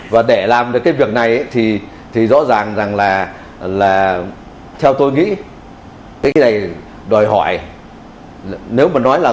và để làm được cái việc này thì rõ ràng rằng là theo tôi nghĩ cái này đòi hỏi nếu mà nói là